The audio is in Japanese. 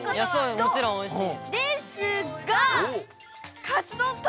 そうもちろんおいしい。